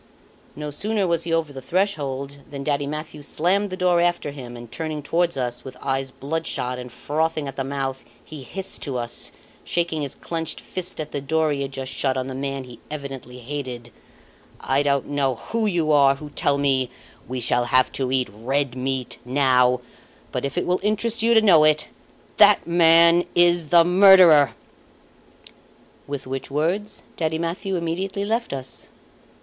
No sooner was he over the threshold than Daddy Mathieu slammed the door after him and, turning towards us, with eyes bloodshot, and frothing at the mouth, he hissed to us, shaking his clenched fist at the door he had just shut on the man he evidently hated: "I don't know who you are who tell me 'We shall have to eat red meat now'; but if it will interest you to know it that man is the murderer!" With which words Daddy Mathieu immediately left us.